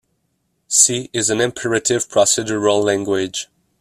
C is an imperative procedural language.